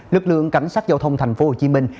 lực lượng cảnh sát giao thông thành phố hồ chí minh